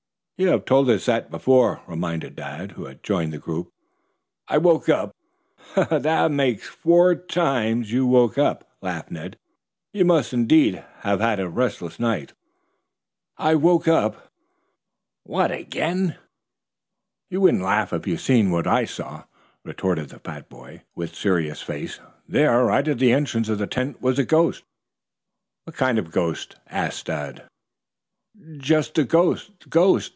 "You have told us that before," reminded Dad, who had joined the group. "I woke up " "That makes four times you woke up," laughed Ned. "You must, indeed, have had a restless night." "I woke up " "What again?" "You wouldn't laugh if you'd seen what I saw" retorted the fat boy, with serious face. "There, right at the entrance of the tent, was a ghost!" "What kind of a ghost?" asked Dad. "Just a ghost ghost.